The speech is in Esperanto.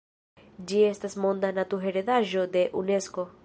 Ĝi estas Monda Naturheredaĵo de Unesko.